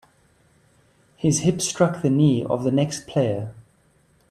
His hip struck the knee of the next player.